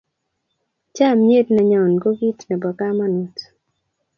chamiet neyon ko kit nebo kamangut